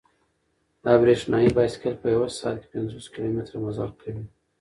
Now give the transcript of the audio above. دا برېښنايي بایسکل په یوه ساعت کې پنځوس کیلومتره مزل کوي.